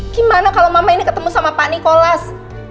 gimana kalau mama ini ketemu sama pak nikolas